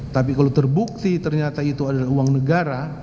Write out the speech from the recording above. tapi kalau terbukti ternyata itu adalah uang negara